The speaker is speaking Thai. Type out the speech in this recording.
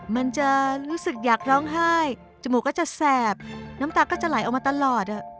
มันจะรู้สึกอยากร้องไห้จมูกก็จะแสบน้ำตาก็จะไหลออกมาตลอด